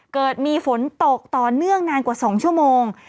เกิดมีฝนตกต่อเนื่องนานกว่า๒ชั่วโมง